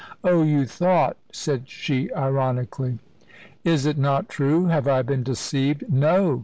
"Oh, you thought!" said she, ironically. "Is it not true? Have I been deceived? No!"